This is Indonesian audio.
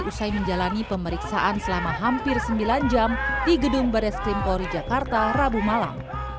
usai menjalani pemeriksaan selama hampir sembilan jam di gedung baris krim polri jakarta rabu malam